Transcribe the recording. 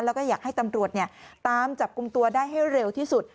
แล้วก็อยากให้ตำรวจตามจับกลุ่มตัวได้ให้เร็วที่สุด